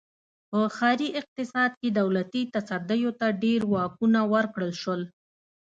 په ښاري اقتصاد کې دولتي تصدیو ته ډېر واکونه ورکړل شول.